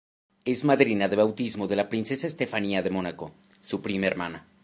Es madrina de bautismo de la princesa Estefanía de Mónaco, su prima hermana.